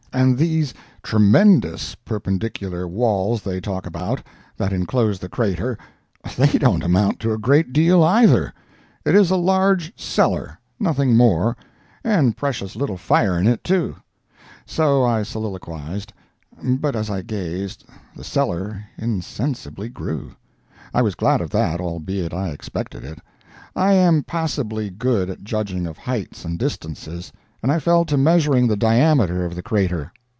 And these 'tremendous' perpendicular walls they talk about, that inclose the crater! they don't amount to a great deal, either; it is a large cellar—nothing more—and precious little fire in it, too." So I soliloquized. But as I gazed, the "cellar" insensibly grew. I was glad of that, albeit I expected it. I am passably good at judging of heights and distances, and I fell to measuring the diameter of the crater.